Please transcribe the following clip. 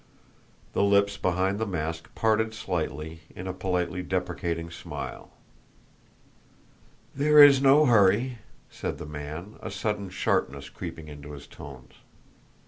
The lips beneath the mask parted slightly in a politely deprecating smile. "There is no hurry," said the man, a sudden sharpness creeping into his tones.